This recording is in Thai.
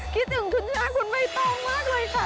คิดถึงคุณย่าคุณใบตองมากเลยค่ะ